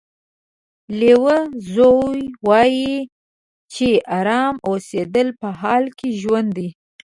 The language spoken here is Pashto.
لیو زو وایي چې ارامه اوسېدل په حال کې ژوند دی.